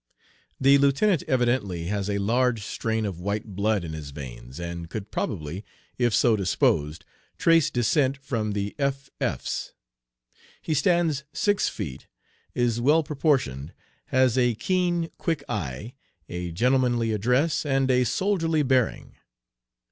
The lieutenant evidently has a large strain of white blood in his veins, and could probably, if so disposed, trace descent from the F. F's. He stands six feet, is well proportioned, has a keen, quick eye, a gentlemanly address, and a soldierly bearing.